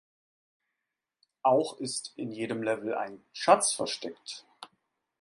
Auch ist in jedem Level ein Schatz versteckt.